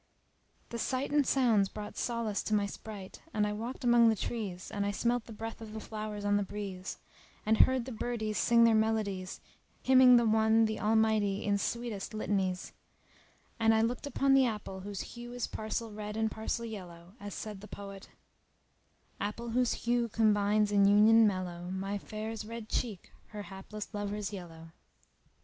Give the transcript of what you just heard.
The sight and sounds brought solace to my sprite; and I walked among the trees, and I smelt the breath of the flowers on the breeze; and heard the birdies sing their melodies hymning the One, the Almighty in sweetest litanies; and I looked upon the apple whose hue is parcel red and parcel yellow; as said the poet:— Apple whose hue combines in union mellow * My fair's red cheek, her hapless lover's yellow.